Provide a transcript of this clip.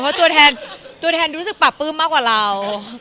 เพราะตัวแทนรู้สึกปลากปลื้นมากกว่าเรา